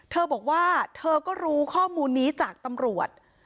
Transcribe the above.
เธอบอกว่าเธอก็รู้ข้อมูลนี้จากตำรวจ